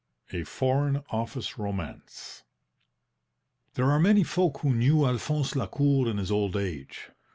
A FOREIGN OFFICE ROMANCE There are many folk who knew Alphonse Lacour in his old age.